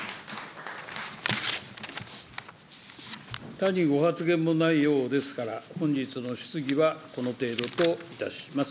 他にご発言もないようですから、本日の質疑はこの程度といたします。